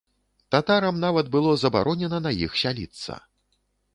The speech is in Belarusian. Татарам нават было забаронена на іх сяліцца.